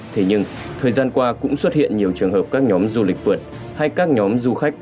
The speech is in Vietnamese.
thế nhưng thời gian qua cũng xuất hiện nhiều trường hợp các nhóm du lịch vượt hay các nhóm du khách